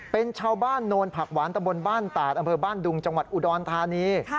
เป็นชาวบ้านโนนผักหวานตะบนบ้านตาดอำเภอบ้านดุงจังหวัดอุดรธานี